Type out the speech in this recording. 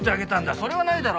それはないだろ。